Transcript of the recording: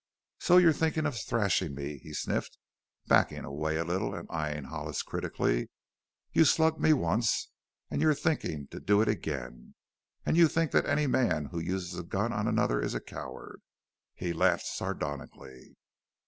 "So you're thinking of thrashing me?" he sniffed, backing away a little and eyeing Hollis critically. "You slugged me once and you're thinking to do it again. And you think that any man who uses a gun on another is a coward?" He laughed sardonically.